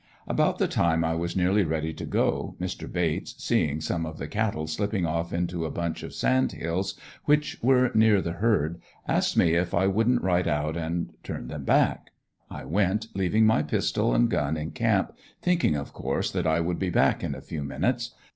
About the time I was nearly ready to go Mr. Bates, seeing some of the cattle slipping off into a bunch of sand hills which were near the herd, asked me if I wouldn't ride out and turn them back. I went, leaving my pistol and gun in camp, thinking of course that I would be back in a few minutes.